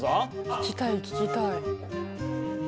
聞きたい聞きたい。